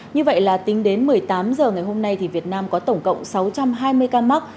như vậy là tính đến một mươi tám h ngày hôm nay thì việt nam có tổng cộng sáu trăm hai mươi ca mắc